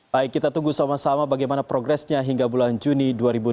baik kita tunggu sama sama bagaimana progresnya hingga bulan juni dua ribu delapan belas